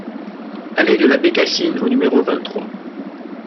Allée de la Bécassine au numéro vingt-trois